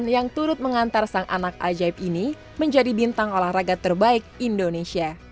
yang turut mengantar sang anak ajaib ini menjadi bintang olahraga terbaik indonesia